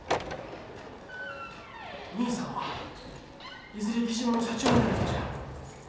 兄さんはいずれ雉真の社長になる人じゃあ。